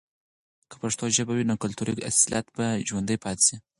که پښتو ژبه وي، نو کلتوري اصالت به ژوندي پاتې سي.